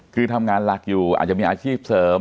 คือทำงานหลักอยู่อาจจะมีอาชีพเสริม